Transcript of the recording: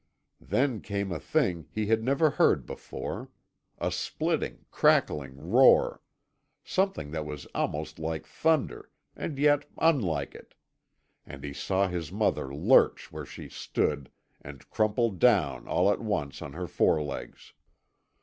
Then came a thing he had never heard before a splitting, cracking roar something that was almost like thunder and yet unlike it; and he saw his mother lurch where she stood and crumple down all at once on her fore legs.